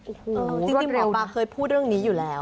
โอ้โหจริงหมอปลาเคยพูดเรื่องนี้อยู่แล้ว